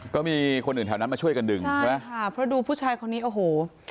ก็มีคนอื่นแถวนั้นมาช่วยกันดึงใช่ไหมค่ะเพราะดูผู้ชายคนนี้โอ้โห